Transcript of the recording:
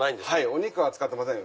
お肉は使ってません。